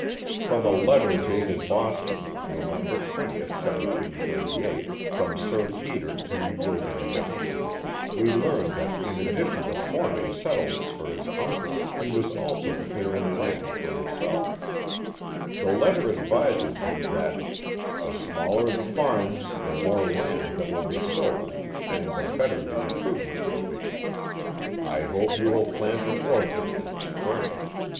From a letter dated Boston, November 20, 1738, from Sir Peter to William Johnson, we learn that in addition to form ing settlements for his uncle, he was also clearing land for himself, Tlie letter advises him that, " the smaller the farms, the more land that will be sold, and the better the improve ment will be, I hope you will plant an orchard in the spring."